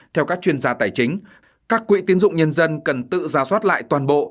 theo các chuyên gia tài chính các quỹ tiến dụng nhân dân cần tự ra soát lại toàn bộ